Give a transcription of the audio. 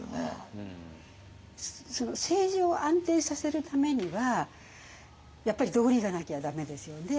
政治を安定させるためにはやっぱり道理がなきゃ駄目ですよね。